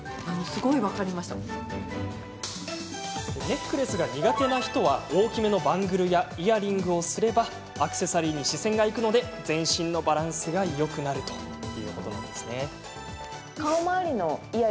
ネックレスが苦手な人は大きめのバングルやイヤリングをすればアクセサリーに視線がいくので全身のバランスがよくなります。